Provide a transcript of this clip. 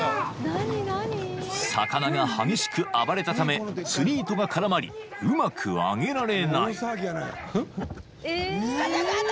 ［魚が激しく暴れたため釣り糸が絡まりうまくあげられない］